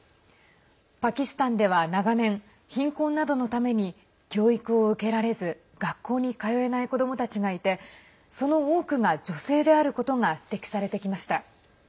パキスタンでは長年貧困などのために教育を受けられず学校に通えない子どもたちがいてその多くが女性であることが指摘されてきました。